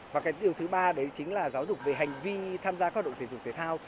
và cái điều thứ ba đấy chính là giáo dục về hành vi tham gia các hoạt động thể dục thể thao